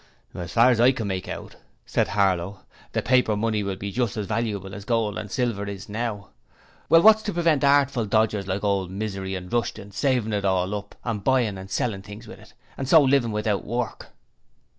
'As far as I can make out,' said Harlow, 'the paper money will be just as valuable as gold and silver is now. Well, wot's to prevent artful dodgers like old Misery and Rushton saving it up and buying and selling things with it, and so livin' without work?'